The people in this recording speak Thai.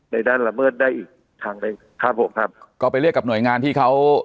ในด้านละเมิดได้อีกทางหนึ่งครับผมครับก็ไปเรียกกับหน่วยงานที่เขา